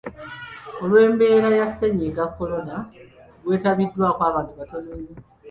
Olw’embeera ya Ssennyiga Kolona, gwetabiddwako abantu batono nnyo.